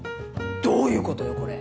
どういうことよこれ？